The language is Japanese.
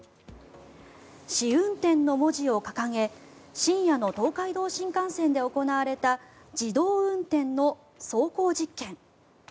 試運転の文字を掲げ深夜の東海道新幹線で行われた自動運転の走行実験。